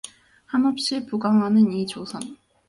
한없이 부강하는 이 조선